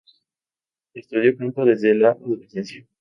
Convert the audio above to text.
Estudia canto desde la adolescencia.